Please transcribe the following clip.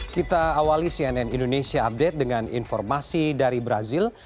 kita awali cnn indonesia update dengan informasi dari brazil